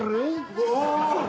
うわ。